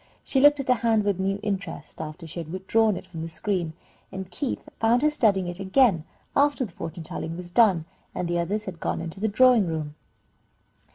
She looked at her hand with a new interest after she had withdrawn it from the screen, and Keith found her studying it again after the fortune telling was done, and the others had gone into the drawing room.